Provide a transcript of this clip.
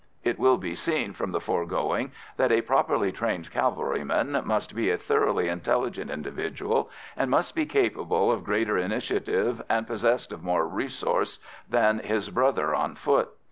It will be seen from the foregoing that a properly trained cavalryman must be a thoroughly intelligent individual, and must be capable of greater initiative and possessed of more resource than his brother on foot.